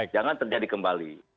jangan terjadi kembali